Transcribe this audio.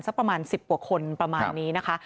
สักประมาณ๑๐กว่าคนประมาณนี้นะคะ